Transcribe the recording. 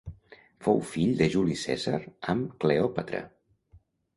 Fou fill de Juli Cèsar amb Cleòpatra.